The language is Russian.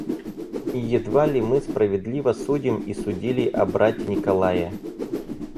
И едва ли мы справедливо судим и судили о брате Николае.